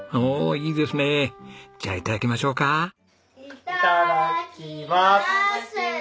いただきます。